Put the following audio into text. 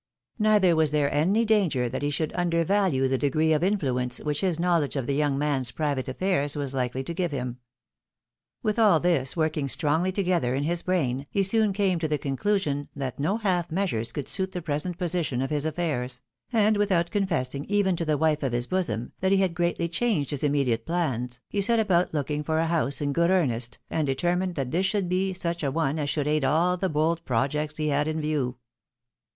Neither was there any danger that he should undervalue the degree of influence which his knowledge of the young man's private afiairs was Hkely to give him. With aU this working strongly together in his brain, he soon came to the conclusion that no half measures could suit the present position of his affairs ; and without confessing, even to the wife of his bosom, that he had greatly chaijged his imme diate plans, he set about looking for a house in good earnest, and determined that it should be such a one as should aid all the bold projects he had in view.